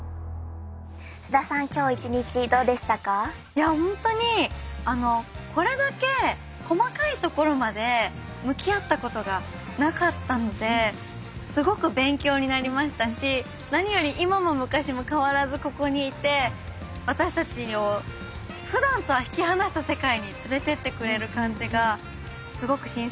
いやほんとにこれだけ細かいところまで向き合ったことがなかったんですごく勉強になりましたし何より今も昔も変わらずここにいて私たちをふだんとは引き離した世界に連れてってくれる感じがすごく新鮮でした。